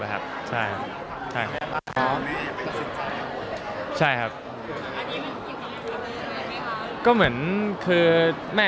ไม่น่าจะได้พูดมา